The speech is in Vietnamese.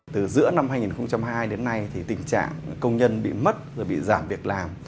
từ giữa năm hai nghìn hai đến nay thì tình trạng công nhân bị mất rồi bị giảm việc làm